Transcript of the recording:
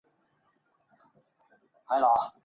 我逃出来